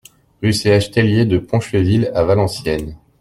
Rue Ch Theillier de Ponchevill à Valenciennes